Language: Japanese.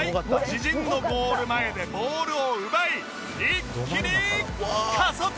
自陣のゴール前でボールを奪い一気に加速！